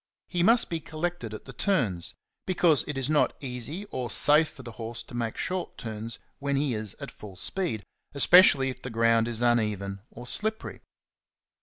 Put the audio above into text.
He must be collected at the turns, because it is not easy or safe for the horse to make short turns when he is at full speed, especially if the ground is uneven or slippery.